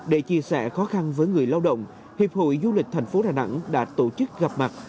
để chia sẻ khó khăn với người lao động hiệp hội du lịch thành phố đà nẵng đã tổ chức gặp mặt